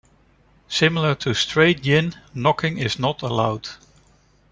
Similar to Straight gin, knocking is not allowed.